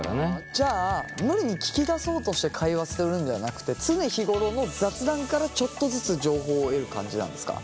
じゃあ無理に聞き出そうとして会話するんじゃなくて常日頃の雑談からちょっとずつ情報を得る感じなんですか？